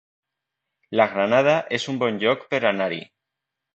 La Granada es un bon lloc per anar-hi